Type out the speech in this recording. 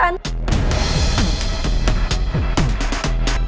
bapaknya kejar muh